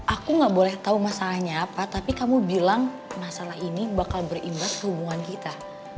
aku gak boleh tahu masalahnya apa tapi kamu bilang masalah ini bakal berimbas ke hubungan kita